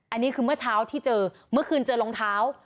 อันนี้คือเมื่อเช้าที่เจอเมื่อคืนเจอรองเท้า